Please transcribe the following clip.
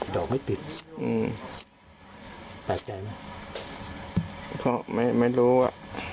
ดอกไม่ติดอืมแปลกใจไหมก็ไม่ไม่รู้อ่ะ